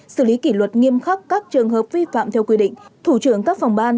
xử lý kỷ luật nghiêm khắc các trường hợp vi phạm theo quy định thủ trưởng các phòng ban